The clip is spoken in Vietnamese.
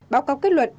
báo cáo kết luận